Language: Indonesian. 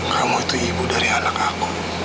kamu itu ibu dari anak aku